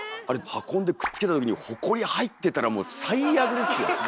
あれ運んでくっつけた時にほこり入ってたらもう最悪ですよ。